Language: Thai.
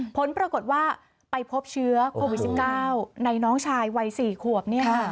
ผลปรากฏว่าไปพบเชื้อโควิด๑๙ในน้องชายวัย๔ขวบ